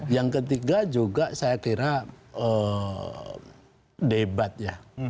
yang ketiga juga saya kira debat ya